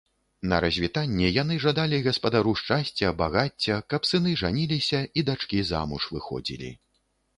На развітанне яны жадалі гаспадару шчасця, багацця, каб сыны жаніліся і дачкі замуж выходзілі.